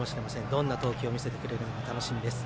どんな投球を見せてくれるのか楽しみです。